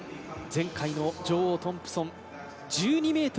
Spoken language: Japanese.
前回の女王・トンプソン、１２ｍ９２。